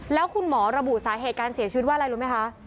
แล้วคุณหมอระบุสาเหตุการเสียชีวิตว่าอะไรรู้ไหมคะ